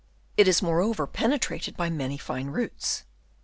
It is moreover pene trated by many fine roots.